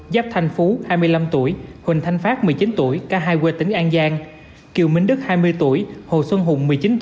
giáp thanh phú huỳnh thanh phát cả hai quê tỉnh an giang kiều minh đức hồ xuân hùng